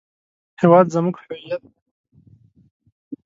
هېواد زموږ هویت دی